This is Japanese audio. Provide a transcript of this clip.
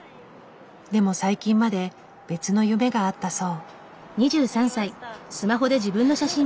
でも最近まで別の夢があったそう。